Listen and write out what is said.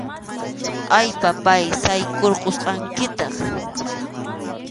A, papáy, saykʼurqusqankitaq.